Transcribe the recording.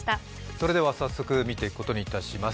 それでは早速見ていくことにします。